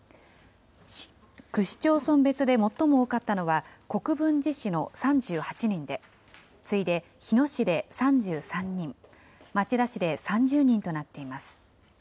区市町村別で最も多かったのは、国分寺市の３８人で、次いで日野市で３３人、町田市で３０人となっています。